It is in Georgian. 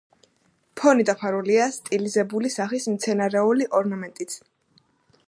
ფონი დაფარულია სტილიზებული სახის მცენარეული ორნამენტით.